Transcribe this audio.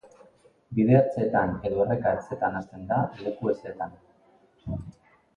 Bide-ertzeetan edo erreka-ertzetan hazten da, leku hezeetan.